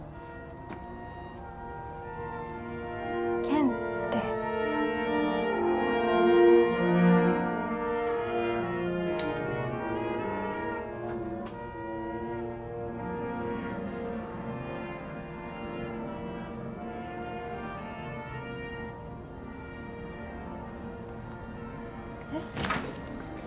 健ってえっ？